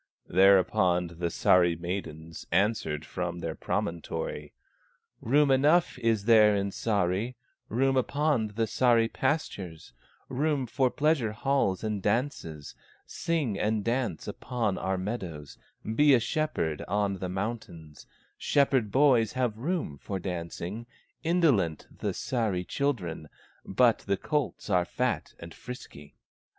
Thereupon the Sahri maidens Answered from their promontory: "Room enough is there in Sahri, Room upon the Sahri pastures, Room for pleasure halls and dances; Sing and dance upon our meadows, Be a shepherd on the mountains, Shepherd boys have room for dancing; Indolent the Sahri children, But the colts are fat and frisky."